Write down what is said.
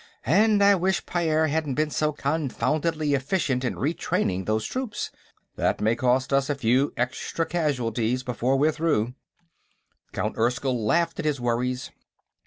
"And I wish Pyairr hadn't been so confoundedly efficient in retraining those troops. That may cost us a few extra casualties, before we're through." Count Erskyll laughed at his worries.